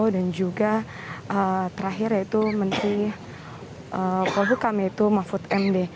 dan juga terakhir yaitu menteri polhukam yaitu mahfud md